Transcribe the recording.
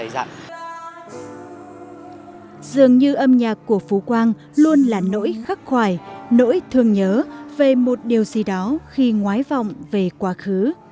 dường như âm nhạc của phú quang luôn là nỗi khắc khoải nỗi thương nhớ về một điều gì đó khi ngói vọng về quá khứ